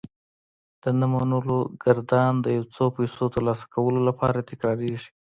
د نه منلو ګردان د يو څو پيسو ترلاسه کولو لپاره تکرارېږي.